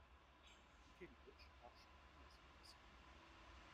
In Cambridge herrscht gemäßigtes Klima.